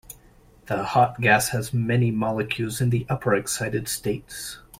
The hot gas has many molecules in the upper excited states.